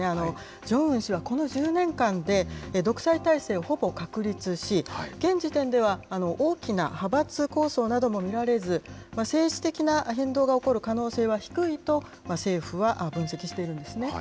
ジョンウン氏はこの１０年間で、独裁体制をほぼ確立し、現時点では大きな派閥抗争なども見られず、政治的な変動が起こる可能性は低いと政府は分析しているんですね。